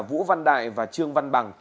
vũ văn đại và trương văn bằng